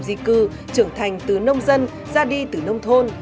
lao động di cư trưởng thành từ nông dân ra đi từ nông thôn